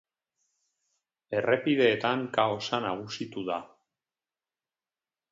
Errepideetan kaosa nagusitu da.